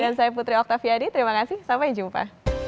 dan saya putri oktavia di terima kasih sampai jumpa